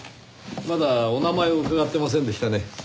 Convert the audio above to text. まだお名前を伺ってませんでしたね。